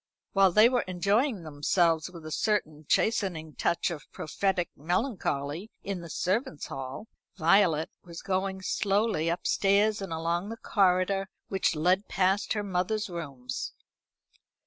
While they were enjoying themselves, with a certain chastening touch of prophetic melancholy, in the servants' hall, Violet was going slowly upstairs and along the corridor which led past her mother's rooms.